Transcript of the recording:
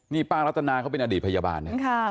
นี่ป้ารัตนาเขาเป็นอดีตพยาบาลเนี่ย